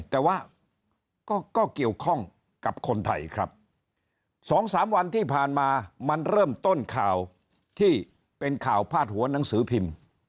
แต่ว่าก็เกี่ยวข้องกับคนไทยครับ๒๓วันที่ผ่านมามันเริ่มต้นข่าวที่เป็นข่าวพาดหัวหนังสือพิมพ์